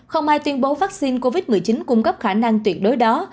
không ai tuyên bố vaccine covid một mươi chín cung cấp khả năng tuyệt đối đó